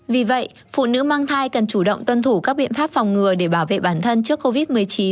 vì vậy phụ nữ mang thai cần chủ động tuân thủ các biện pháp phòng ngừa để bảo vệ bản thân trước covid một mươi chín